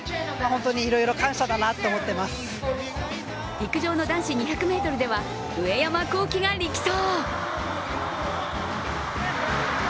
陸上の男子２００ｍでは上山紘輝が力走。